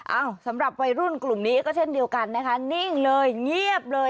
เอ้าสำหรับวัยรุ่นกลุ่มนี้ก็เช่นเดียวกันนะคะนิ่งเลยเงียบเลย